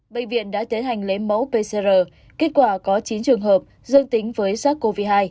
bệnh viện đã tiến hành lấy mẫu pcr kết quả có chín trường hợp dương tính với sars cov hai